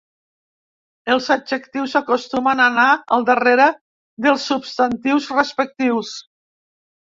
Els adjectius acostumen a anar al darrere dels substantius respectius.